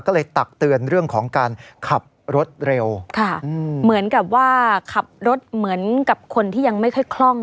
ก็เลยตักเตือนเรื่องของการขับรถเร็วค่ะเหมือนกับว่าขับรถเหมือนกับคนที่ยังไม่ค่อยคล่อง